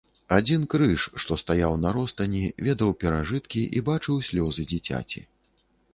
Адзін крыж, што стаяў на ростані, ведаў перажыткі і бачыў слёзы дзіцяці.